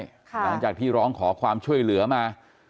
หลังจากที่ร้องขอความช่วยเหลือมา